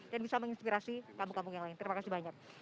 dan bisa menginspirasi kampung kampung yang lain terima kasih banyak